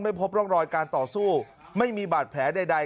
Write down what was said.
พบร่องรอยการต่อสู้ไม่มีบาดแผลใด